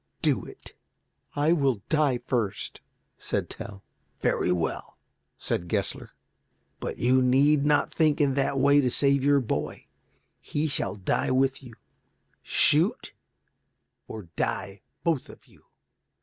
Do it." "I will die first," said Tell. "Very well," said Gessler, "but you need not think in that way to save your boy. He shall die with you. Shoot, or die both of you.